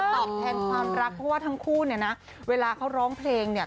ตอบแทนความรักเพราะว่าทั้งคู่เนี่ยนะเวลาเขาร้องเพลงเนี่ย